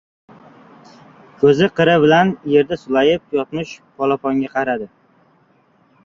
Ko‘zi qiri bilan yerda sulayib yotmish polaponga qaradi.